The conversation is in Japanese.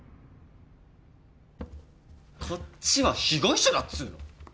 こっちは被害者だっつうの！